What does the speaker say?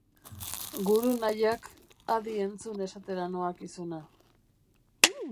Guru Nayak, adi entzun esatera noakizuna.